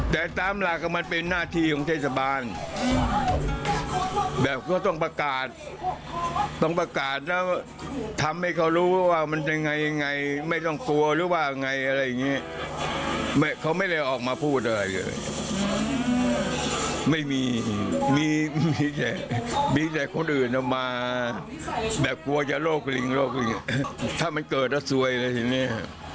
กลัวจะโรคลิงถ้ามันเกิดแล้วสวยเลยทีนี้